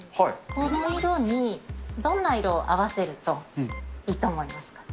この色にどんな色を合わせると、いいと思いますか？